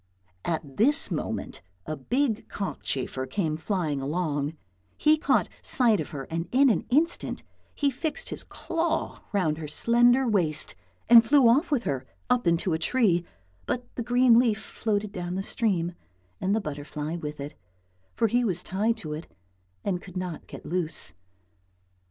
At this moment a big cockchafer came flying along, he caught sight of her and in an instant he fixed his claw round her slender waist and flew off with her, up into a tree, but the green leaf floated down the stream and the butterfly with it, for he was tied to it and could not get loose.